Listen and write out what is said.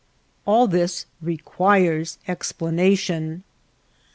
All this requires explanation.